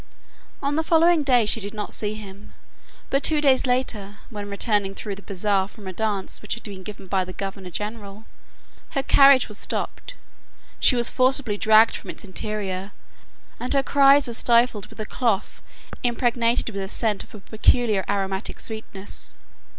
On the following day she did not see him, but two days later, when returning through the Bazaar from a dance which had been given by the Governor General, her carriage was stopped, she was forcibly dragged from its interior, and her cries were stifled with a cloth impregnated with a scent of a peculiar aromatic sweetness.